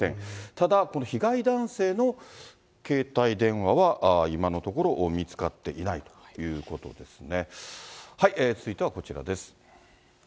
ただ、この被害男性の携帯電話は、今のところ見つかっていないということですね。